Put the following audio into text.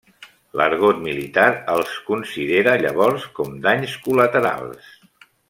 L'argot militar els considera llavors com danys col·laterals.